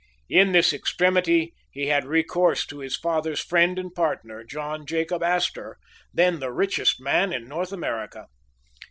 In this extremity he had recourse to his father's friend and partner, John Jacob Astor, then the richest man in North America.